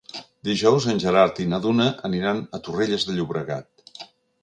Dijous en Gerard i na Duna aniran a Torrelles de Llobregat.